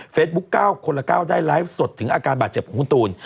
๙คนละ๙ได้ไลฟ์สดถึงอาการบาดเจ็บของคุณตูน